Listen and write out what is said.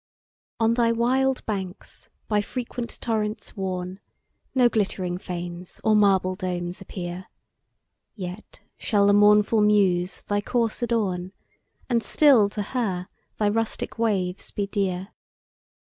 ON thy wild banks, by frequent torrents worn, No glittering fanes, or marble domes appear, Yet shall the mournful muse thy course adorn, And still to her thy rustic waves be dear.